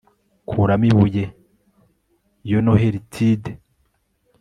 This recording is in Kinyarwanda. Kuramo ibuye iyo Noheritide